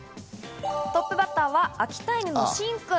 トップバッターは秋田犬のシンくん。